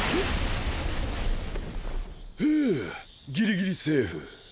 ふぅギリギリセーフ。